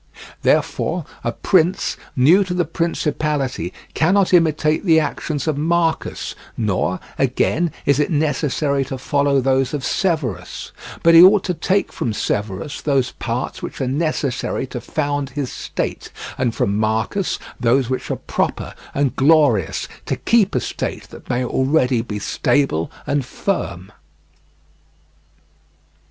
Therefore a prince, new to the principality, cannot imitate the actions of Marcus, nor, again, is it necessary to follow those of Severus, but he ought to take from Severus those parts which are necessary to found his state, and from Marcus those which are proper and glorious to keep a state that may already be stable and firm.